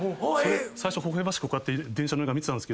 最初ほほ笑ましくこうやって電車乗りながら見てたんです。